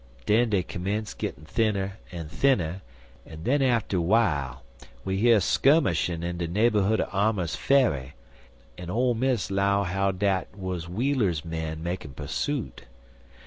Den dey commence gittin' thinner en thinner, en den atter w'ile we hear skummishin' in de naberhood er Armer's fe'y, en Ole Miss 'low how dat wuz Wheeler's men makin' persoot.